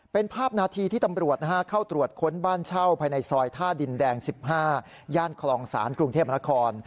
เป็นภาพนาทีที่ตำรวจเข้าตรวจค้นบ้านเช่าภายในซอยท่าดินแดง๑๕ย่านคลองศาลกรุงเทพนคร